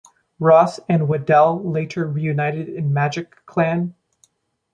Ross and Weddell later reunited in Magic Clan.